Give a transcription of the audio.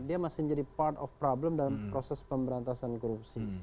dia masih menjadi part of problem dalam proses pemberantasan korupsi